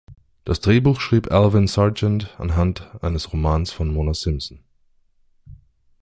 Das Drehbuch schrieb Alvin Sargent anhand eines Romans von Mona Simpson.